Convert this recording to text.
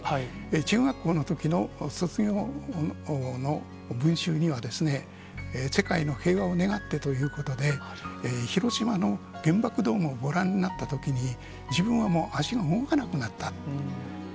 中学校のときの卒業の文集には、世界の平和を願ってということで、広島の原爆ドームをご覧になったときに、自分はもう足が動かなくなった。